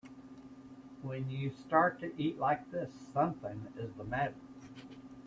When you start to eat like this something is the matter.